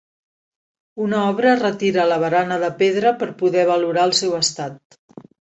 Una obra retira la barana de pedra per poder valorar el seu estat.